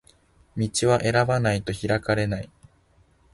道は選ばないと開かれない